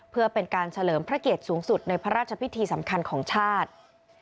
เพื่อเป็นการเฉลิมพระเกียรติสูงสุดในพระราชพิธีสำคัญของชาติ